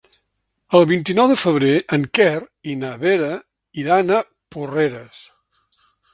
El vint-i-nou de febrer en Quer i na Vera iran a Porreres.